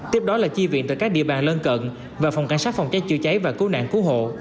tiếp đó là chi viện tại các địa bàn lân cận và phòng cảnh sát phòng cháy chữa cháy và cứu nạn cứu hộ